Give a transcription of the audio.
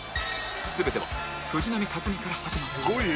全ては藤波辰爾から始まった